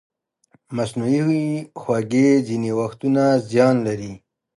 مصنوعي خوږې ځینې وختونه زیان لري.